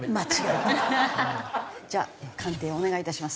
じゃあ鑑定をお願いいたします。